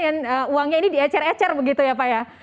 yang uangnya ini diecer ecer begitu ya pak ya